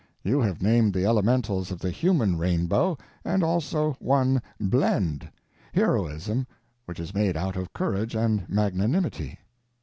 You have named the elementals of the human rainbow, and also one _blend _—heroism, which is made out of courage and magnanimity.